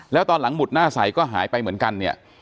แล้วตอนหลังหุดหน้าใสก็หายไปเหมือนกันเนี่ย